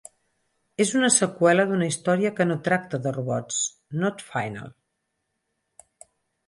És una seqüela d'una història que no tracta de robots, "Not Final!".